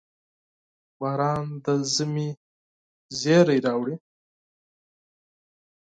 • باران د ژمي زېری راوړي.